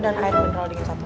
dan air mineral dingin satu